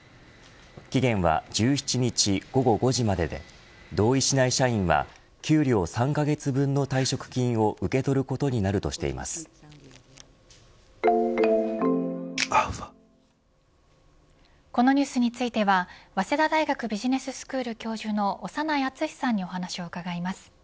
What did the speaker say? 期限は１７日午後５時までで同意しない社員は給料３カ月分の退職金を受け取ることになるとこのニュースについては早稲田大学ビジネススクール教授の長内厚さんにお話を伺います。